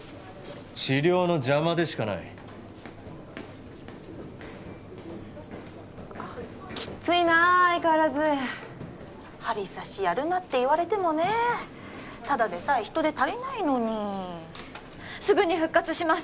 治療の邪魔でしかないあきっついな相変わらず針刺しやるなって言われてもねただでさえ人手足りないのにすぐに復活します